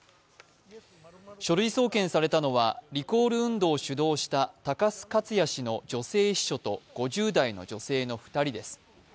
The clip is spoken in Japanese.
書類送検されたのはりコール運動を主導した高須克弥氏の女性秘書と５０代の女性の２人です。